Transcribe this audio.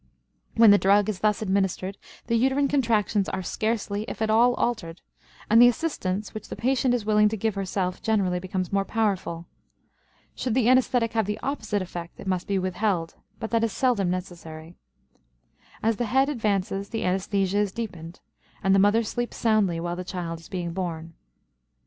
When the drug is thus administered, the uterine contractions are scarcely, if at all, altered, and the assistance which the patient is willing to give herself generally becomes more powerful. Should the anesthetic have the opposite effect, it must be withheld; but that is seldom necessary. As the head advances the anesthesia is deepened, and the mother sleeps soundly while the child is being born.